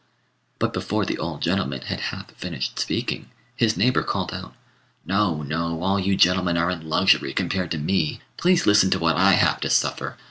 But before the old gentleman had half finished speaking, his neighbour called out "No, no; all you gentlemen are in luxury compared to me. Please listen to what I have to suffer.